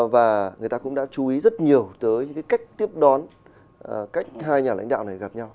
và người ta cũng đã chú ý rất nhiều tới những cái cách tiếp đón cách hai nhà lãnh đạo này gặp nhau